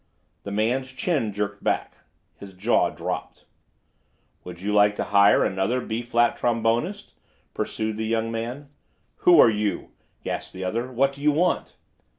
The man's chin jerked back. His jaw dropped. "Would you like to hire another B flat trombonist?" pursued the young man. "Who are you?" gasped the other. "What do you want?"